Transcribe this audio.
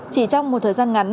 chỉ trong một thời gian ngắn